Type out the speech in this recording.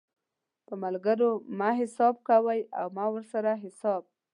په ملګرو مه حساب کوئ او مه ورسره حساب